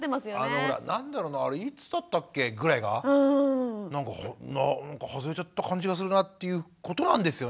あのほら何だろないつだったっけ？ぐらいがなんか外れちゃった感じがするなっていうことなんですよね。